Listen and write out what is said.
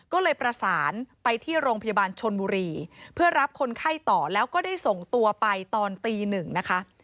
ก็เลยประสานไปที่โรงพยาบาลชนบุรีเพื่อรับคนไข้ต่อแล้วก็ได้ส่งตัวไปตอนตีหนึ่งนะคะ